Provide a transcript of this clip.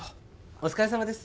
お疲れさまです